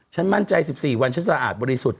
ฉันมั่นใจ๑๔วันฉันสะอาดบริสุทธิ์